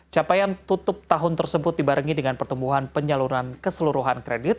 capaian tutup tahun tersebut dibarengi dengan pertumbuhan penyaluran keseluruhan kredit